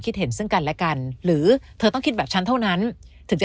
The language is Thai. คิดเห็นซึ่งกันและกันหรือเธอต้องคิดแบบฉันเท่านั้นถึงจะ